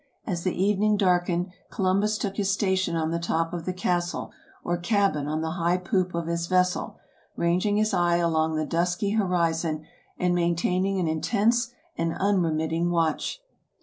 As the evening darkened, Columbus took his station on the top of the castle or cabin on the high poop of his vessel, ranging his eye along the dusky horizon, and maintaining an intense and unremitting watch.